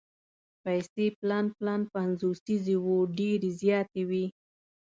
پیسې پلن پلن پنځوسیز وو ډېرې زیاتې وې.